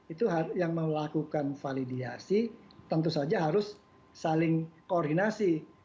itu yang melakukan validasi tentu saja harus saling koordinasi